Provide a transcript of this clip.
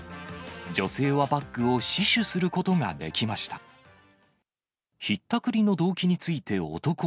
女性はバッグを死守することができました。